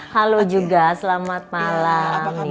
halo juga selamat malam